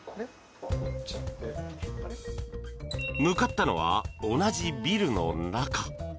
向かったのは同じビルの中。